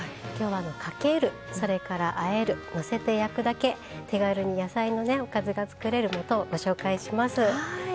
今日はかけるそれからあえるのせて焼くだけ手軽に野菜のおかずが作れるもとをご紹介します。